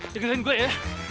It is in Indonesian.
jangan lupa gue ya